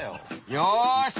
よし！